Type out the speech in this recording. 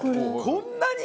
こんなに！？